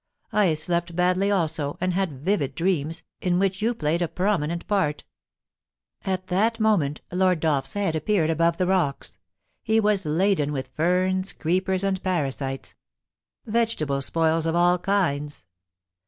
I slept badly also, and had vivid dreams, in which you played a prominent part* At that moment Lord Dolph*s head appeared above the rocks. He was laden with ferns, creepers, and parasites — vegetable spoils of all kinds.